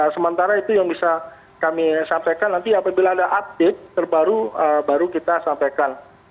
sementara itu yang bisa kami sampaikan nanti apabila ada update terbaru baru kita sampaikan